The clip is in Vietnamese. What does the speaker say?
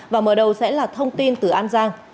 và mở đầu sẽ là thông tin từ an giang